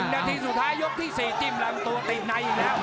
นาทีสุดท้ายยกที่๔จิ้มลำตัวติดในอีกแล้ว